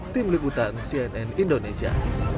tim leputan cnn indonesia